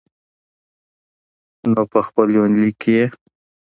نو په خپل يونليک کې يې